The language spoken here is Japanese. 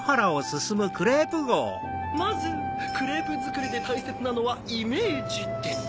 まずクレープづくりでたいせつなのはイメージです。